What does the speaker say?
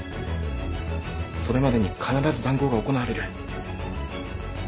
それまでに必ず談合が行われる。